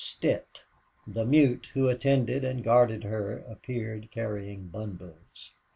Stitt, the mute who attended and guarded her, appeared, carrying bundles.